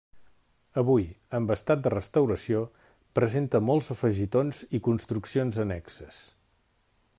Avui, amb estat de restauració, presenta molts afegitons i construccions annexes.